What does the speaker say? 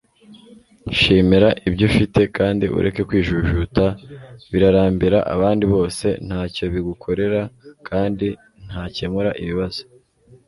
shimira ibyo ufite kandi ureke kwijujuta - birarambira abandi bose, ntacyo bigukorera, kandi ntakemura ibibazo